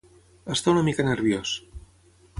Està una mica nerviós.